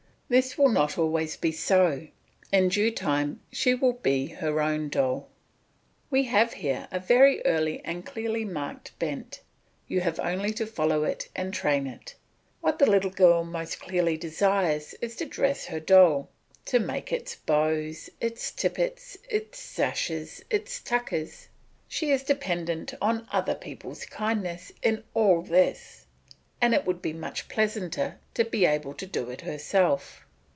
This will not always be so; in due time she will be her own doll. We have here a very early and clearly marked bent; you have only to follow it and train it. What the little girl most clearly desires is to dress her doll, to make its bows, its tippets, its sashes, and its tuckers; she is dependent on other people's kindness in all this, and it would be much pleasanter to be able to do it herself.